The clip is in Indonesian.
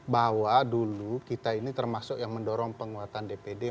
bahwa dulu kita ini termasuk yang mendorong penguatan dpd